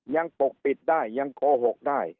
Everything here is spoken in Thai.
ปกปิดได้ยังโกหกได้